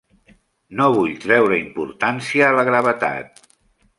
No vull treure importància a la gravetat.